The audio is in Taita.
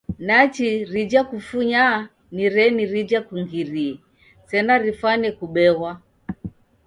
Nachi rija kufunya ni reni rija kungirie, sena rifwane kubeghwa!